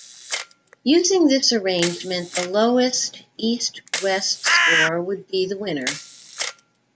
Using this arrangement, the lowest East-West Score would be the winner.